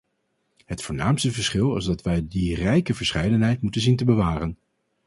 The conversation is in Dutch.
Het voornaamste verschil is dat wij die rijke verscheidenheid moeten zien te bewaren.